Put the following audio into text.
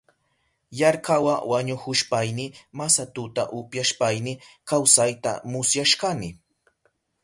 Yarkaywa wañuhushpayni masatuta upyashpayni kawsayta musyashkani.